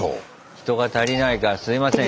人が足りないからすいません